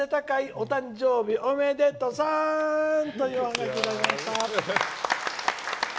お誕生日おめでとさん！」というおハガキをいただきました。